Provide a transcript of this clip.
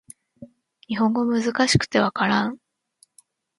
日本語難しくて分からん